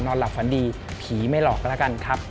หลับฝันดีผีไม่หลอกกันแล้วกันครับ